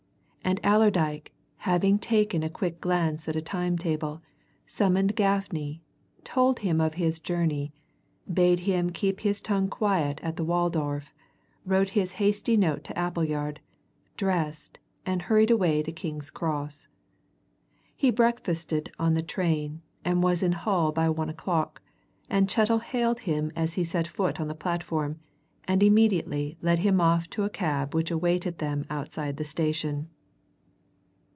And Allerdyke, having taken a quick glance at a time table, summoned Gaffney, told him of his journey, bade him keep his tongue quiet at the Waldorf, wrote his hasty note to Appleyard, dressed, and hurried away to King's Cross. He breakfasted on the train, and was in Hull by one o'clock, and Chettle hailed him as he set foot on the platform, and immediately led him off to a cab which awaited them outside the station.